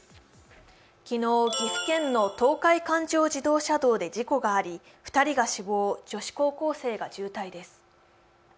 昨日、岐阜県の東海環状自動車道で事故があり２人が死亡、女子高校生が重体です。